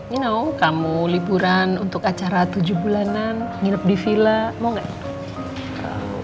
ini nao kamu liburan untuk acara tujuh bulanan nginep di villa mau gak